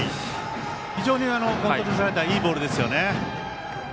非常にコントロールされたいいボールですよね。